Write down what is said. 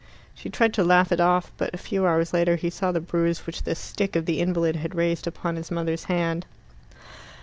She tried to laugh it off, but a few hours later he saw the bruise which the stick of the invalid had raised upon his mother's hand.